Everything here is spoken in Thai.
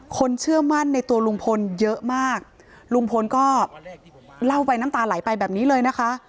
เชื่อมั่นในตัวลุงพลเยอะมากลุงพลก็เล่าไปน้ำตาไหลไปแบบนี้เลยนะคะ